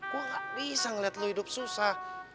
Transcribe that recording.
gua nggak bisa liat lu hidup susah